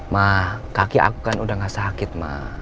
ma kaki aku kan udah gak sakit ma